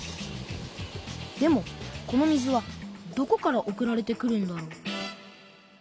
でもこの水はどこから送られてくるんだろう。